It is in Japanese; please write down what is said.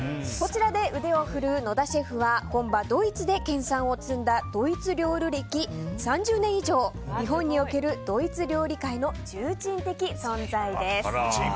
こちらで腕を振るう野田シェフは本場ドイツで研さんを積んだドイツ料理歴３０年以上日本におけるドイツ料理界の重鎮的存在です。